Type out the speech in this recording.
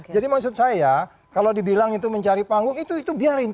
jadi maksud saya kalau dibilang itu mencari panggung itu biarin